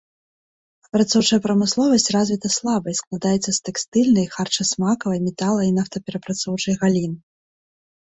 Апрацоўчая прамысловасць развіта слаба і складаецца з тэкстыльнай, харчасмакавай, метала- і нафтаперапрацоўчай галін.